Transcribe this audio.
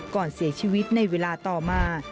ก่อนเสียชีวิตในเวลาต่อมา